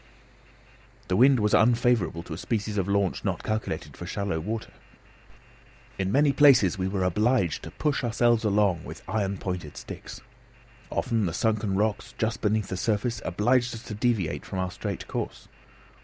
The wind was unfavourable to a species of launch not calculated for shallow water. In many places we were obliged to push ourselves along with iron pointed sticks. Often the sunken rocks just beneath the surface obliged us to deviate from our straight course.